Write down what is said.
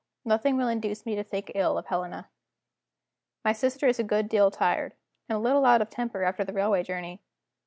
Nothing will induce me to think ill of Helena. My sister is a good deal tired, and a little out of temper after the railway journey.